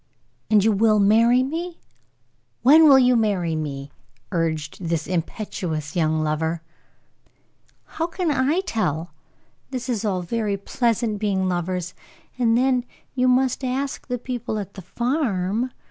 "And you will marry me? When will you marry me?" urged this impetuous young lover. "How can I tell? This is all very pleasant, being lovers; and then you must ask the people at the farm."